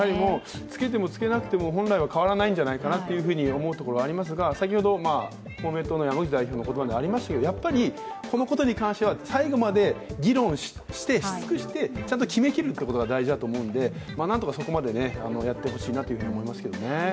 つけてもつけなくても本来は変わらないんじゃないのと思うところはありますが、公明党の山口代表の言葉にもありましたがやっぱりこのことに関しては最後まで議論し尽くしてちゃんと決めるってことが大事だと思うのでなんとかそこまでやってほしいなというふうに思いますけどね。